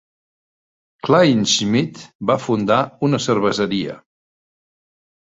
Kleinschmidt va fundar una cerveseria.